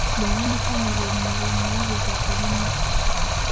Bw'owandiika nga bw'owummulawummula, by'okola tebimukka.